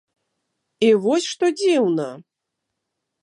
І вось што дзіўна!